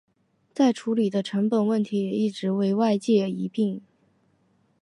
再处理的成本问题也一直为外界诟病。